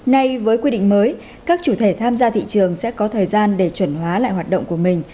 nay với quy định mới các chủ thể tham gia thị trường sẽ có thời gian để chuẩn hóa lại hoạt động của mình